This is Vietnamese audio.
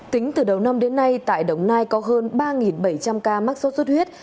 tính từ đầu năm đến nay tại đồng nai có hơn ba bảy trăm linh ca mắc sốt xuất huyết